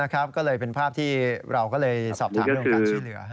ก็เลยเป็นภาพที่เราก็เลยสอบถามเรื่องการช่วยเหลือ